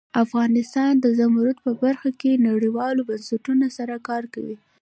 افغانستان د زمرد په برخه کې نړیوالو بنسټونو سره کار کوي.